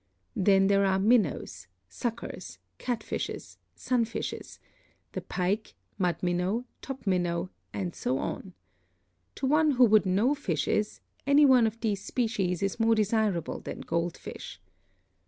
Then there are Minnows, Suckers, Catfishes, Sunfishes, the Pike, Mud Minnow, Top Minnow, and so on. To one who would know fishes, any one of these species is more desirable than gold fish.